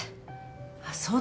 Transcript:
あっそうだ。